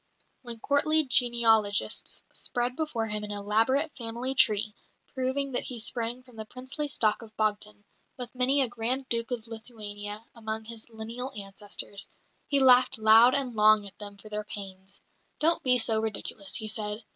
When courtly genealogists spread before him an elaborate family tree, proving that he sprang from the princely stock of Bogdan, with many a Grand Duke of Lithuania among his lineal ancestors, he laughed loud and long at them for their pains. "Don't be so ridiculous," he said.